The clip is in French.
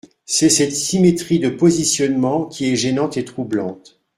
C’est cette symétrie de positionnement qui est gênante et troublante.